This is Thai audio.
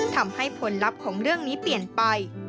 ทำให้ผลลัพธ์ของเรื่องนี้เปลี่ยนไป